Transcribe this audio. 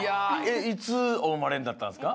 いつおうまれになったんですか？